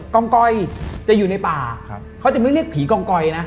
กองกอยจะอยู่ในป่าเขาจะไม่เรียกผีกองกอยนะ